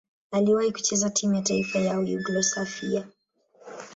Aliwahi kucheza timu ya taifa ya Yugoslavia.